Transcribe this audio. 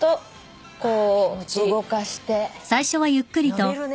伸びるね。